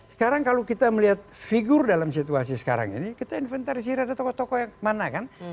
sekarang kalau kita melihat figur dalam situasi sekarang ini kita inventarisir ada tokoh tokoh yang mana kan